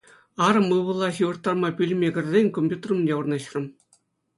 Арӑм ывӑла ҫывӑрттарма пӳлӗме кӗрсен компьютер умне вырнаҫрӑм.